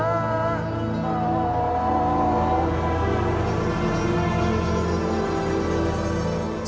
jangan lupa ibu nda